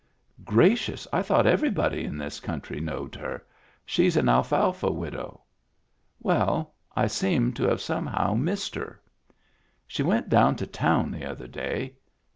" Gracious 1 I thought everybody in this coun try knowed her. She's an alfalfa widow." " Well, I seem to have somehow missed her." " She went down to town the other day.